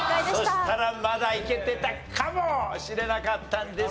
そうしたらまだいけてたかもしれなかったんですがね。